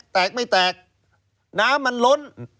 แตกไม่แตกน้ำมันล้น